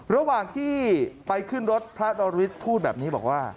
ระหว่างที่ไปขึ้นรถพระดอรวิทย์พูดแบบนี้บอกว่า